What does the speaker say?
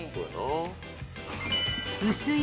［薄い］